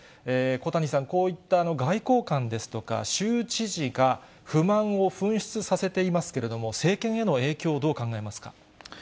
小谷さん、こういった外交官ですとか、州知事が不満を噴出させていますけれども、政権への影響、どう考えますか。